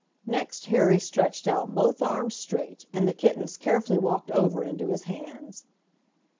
Next Harry stretched out both arms straight and the kittens carefully walked over into his hands.